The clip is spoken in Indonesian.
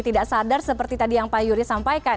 tidak sadar seperti tadi yang pak yuri sampaikan